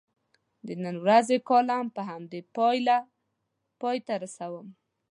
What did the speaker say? د نن ورځې کالم په همدې پایله پای ته رسوم.